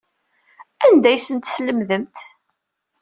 Anda ay asent-teslemdemt?